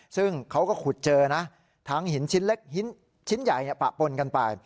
ซึ่งเขาก็ขุดเจอนะทั้งหินชิ้นเล็กชิ้นใหญ่ปะปนกันไป